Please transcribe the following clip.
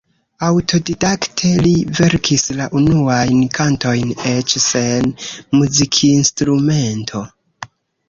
Aŭtodidakte li verkis la unuajn kantojn, eĉ sen muzikinstrumento.